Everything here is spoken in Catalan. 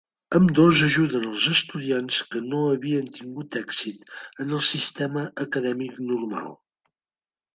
Ambdós ajuden els estudiants que no havien tingut èxit en el sistema acadèmica normal.